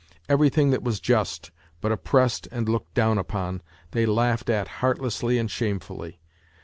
Every thing that was just, but oppressed and looked down upon, they laughed at heartlessly and shamefully.